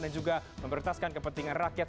dan juga mempertahankan kepentingan rakyat